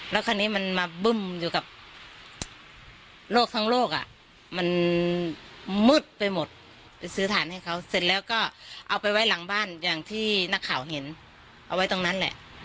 แล้วคราวนี้มันมาบึ้มอยู่กับโรคทั้งโลกอ่ะมันมืดไปหมดไปซื้อฐานให้เขาเสร็จแล้วก็เอาไปไว้หลังบ้านอย่างที่นักข่าวเห็นเอาไว้ตรงนั้นแหละ